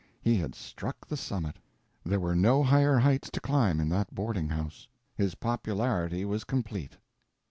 He had struck the summit. There were no higher heights to climb in that boarding house. His popularity was complete.